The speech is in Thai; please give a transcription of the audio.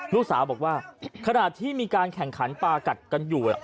ลูกสาวบอกว่าขณะที่มีการแข่งขันปากัดกันอยู่